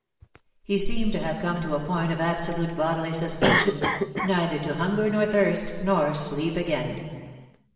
He seemed to have come to a point of absolute bodily suspension, neither to hunger nor thirst nor sleep again.